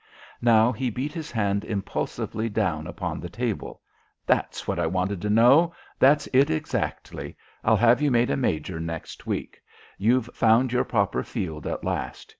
Now he beat his hand impulsively down upon the table. "That's what I wanted to know. That's it exactly. I'll have you made a Major next week. You've found your proper field at last.